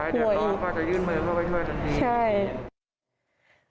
ใครเดือดร้อนกว่าจะยืดเมืองเข้าไปช่วยทันที